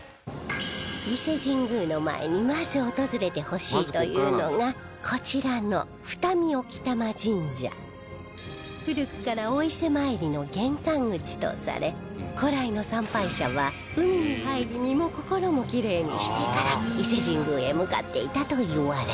伊勢神宮の前にまず訪れてほしいというのがこちらの古くからお伊勢参りの玄関口とされ古来の参拝者は海に入り身も心もきれいにしてから伊勢神宮へ向かっていたといわれ